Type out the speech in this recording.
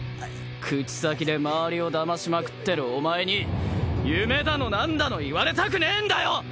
口先で周りをだましまくってるお前に夢だの何だの言われたくねえんだよ！